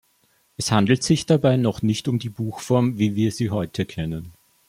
Es handelt sich dabei noch nicht um die Buchform, wie wir sie heute kennen.